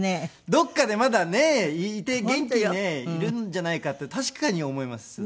どこかでまだいて元気にいるんじゃないかって確かに思いますね。